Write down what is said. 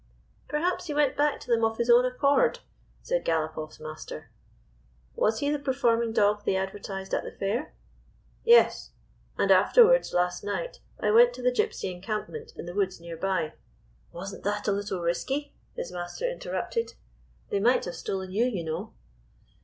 " Perhaps he went back to them of his own accord," said Galopoff's master. Was he the Performing Dog they advertised at the Fair ?" "Yes; and afterwards, last night, I went to the Gypsy encampment in the woods near by " "Was n't that a little risky?" his master in terrupted. "They might have stolen you, you know."